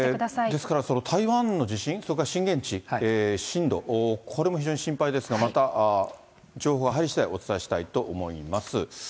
ですから、台湾の地震、それから震源地、震度、これも非常に心配ですが、また情報が入りしだいお伝えしたいと思います。